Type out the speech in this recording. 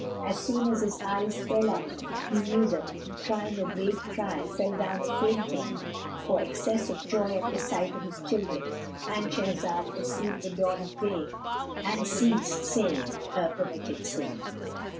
As soon as his eyes fell on them, he knew them and crying a great cry fell down a fainting for excess of joy at the sight of his children.—And Shahrazad perceived the dawn of day and ceased saying her permitted say.